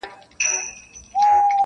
ورښودلي خپل استاد وه څو شعرونه-